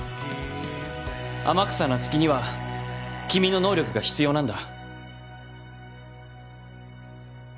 天草那月には君の能力が必要なんだ。